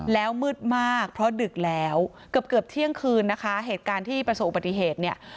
แล้วมืดมากเพราะดึกแล้วเกือบเกือบเที่ยงคืนนะคะเหตุการณ์ที่ประสบอุบัติเหตุเนี่ย